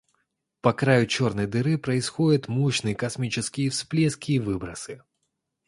По краю черной дыры происходят мощные космические всплески и выбросы.